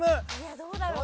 どうだろう？